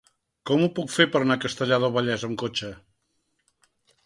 Com ho puc fer per anar a Castellar del Vallès amb cotxe?